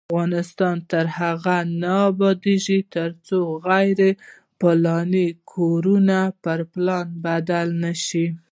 افغانستان تر هغو نه ابادیږي، ترڅو غیر پلاني کورونه په پلان بدل نشي.